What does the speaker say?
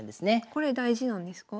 これ大事なんですか？